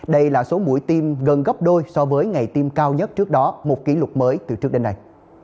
đây là số mũi tiêm gần gấp đôi so với ngày tiêm cao nhất trước đó một kỷ lục mới từ trước đến nay